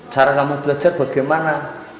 cara kamu belajar bagaimana